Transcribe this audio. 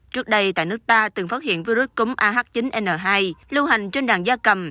trước đây tại nước ta từng phát hiện virus cúm ah chín n hai lưu hành trên đàn da cầm